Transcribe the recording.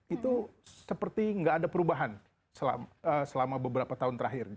itu seperti nggak ada perubahan selama beberapa tahun terakhir